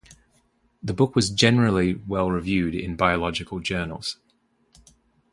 The book was generally well reviewed in biological journals.